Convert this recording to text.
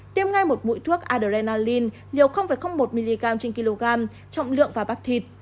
tiêm ngay một mũi thuốc adrenaline liều một mg trên kg trọng lượng và bắp thịt